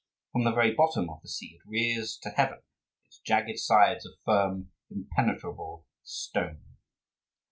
From the very bottom of the sea it rears to heaven its jagged sides of firm, impenetrable stone.